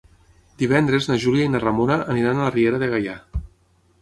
Divendres na Júlia i na Ramona aniran a la Riera de Gaià.